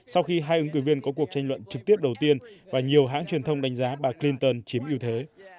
sau khi hai ứng cử viên có cuộc tranh luận trực tiếp đầu tiên và nhiều hãng truyền thông đánh giá bà clinton chiếm ưu thế